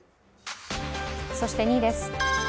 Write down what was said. そして２位です。